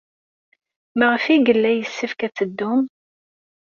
Maɣef ay yella yessefk ad teddum?